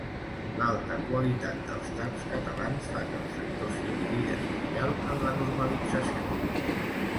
L'alta qualitat dels taps catalans fa que el sector sigui líder mundial en la normalització.